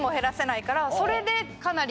それでかなり。